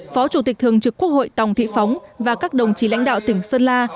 phó chủ tịch thường trực quốc hội tòng thị phóng và các đồng chí lãnh đạo tỉnh sơn la